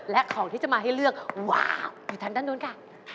และของที่จะมาให้เลือกว้าวอยู่ทางด้านนู้นค่ะ